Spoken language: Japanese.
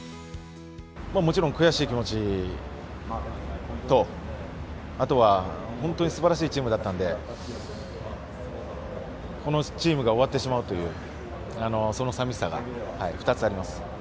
もちろん悔しい気持ちとあとは本当にすばらしいチームだったのでこのチームが終わってしまうというさみしさが２つあります。